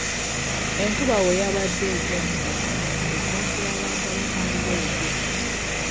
Enkuba we yabadde etonnyera ng'osaasira abantu abatambuza ebigere.